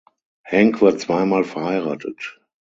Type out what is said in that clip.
Hank war zweimal verheiratet.